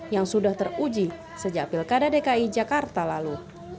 yang sudah teruji sejak pilkada dki jakarta lalu